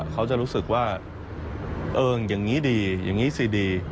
เขาจะรู้สึกว่าเอออย่างนี้ดีอย่างนี้สิดี